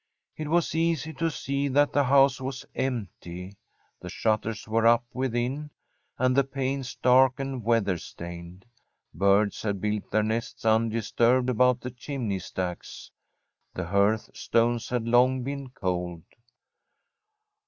It was easy to see that the house was empty. The shutters were up within, and the panes dark and weather stained. Birds had built their nests undisturbed about the chimney stacks. The hearthstones had long been cold.